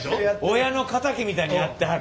親の敵みたいにやってはる。